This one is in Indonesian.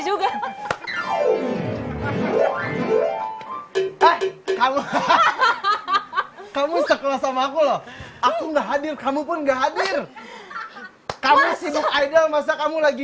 juga kamu suka sama aku loh aku enggak hadir kamu pun nggak hadir kamu sibuk idol masa kamu lagi